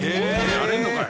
やれんのかい。